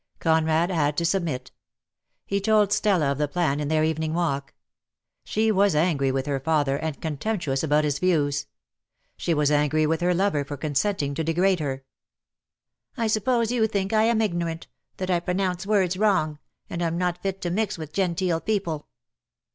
Conrad had to submit. He told Stella of the plan, in their evening walk. She was angry with her father, and contemptuous about his views. She was angry with her lover for consenting to de grade her. "I suppose you think I am ignorant, that I pro nounce words wrong, and am not fit to mix with genteel people."